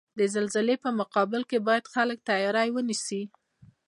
د زلزلزلې په مقابل کې باید خلک تیاری ونیسئ.